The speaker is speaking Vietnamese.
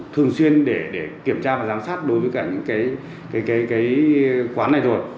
thường xuyên để kiểm tra và giám sát đối với cả những cái quán này rồi